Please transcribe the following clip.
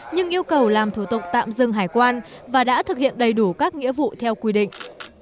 nhưng yêu cầu làm thủ tục tạm dừng hải quan và đã thực hiện đầy đủ các nghĩa vụ theo quy định